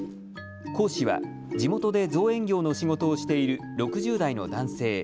講師は地元で造園業の仕事をしている６０代の男性。